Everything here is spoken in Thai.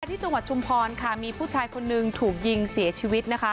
ที่จังหวัดชุมพรค่ะมีผู้ชายคนนึงถูกยิงเสียชีวิตนะคะ